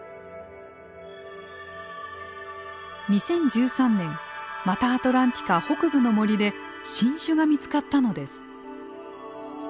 ２０１３年マタアトランティカ北部の森で新種が見つかったのです。